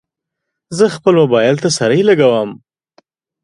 زه خپل موبایل ته سرۍ لګوم.